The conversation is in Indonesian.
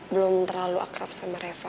belum terlalu akrab sama reva